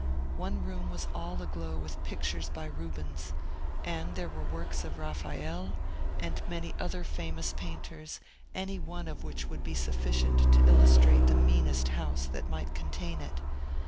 One room was all aglow with pictures by Rubens; and there were works of Raphael, and many other famous painters, any one of which would be sufficient to illustrate the meanest house that might contain it.